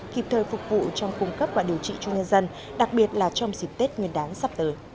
kịp thời phục vụ trong cung cấp và điều trị cho nhân dân đặc biệt là trong dịp tết nguyên đáng sắp tới